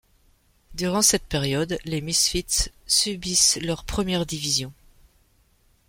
Durant cette période, les Misfits subissent leur première division.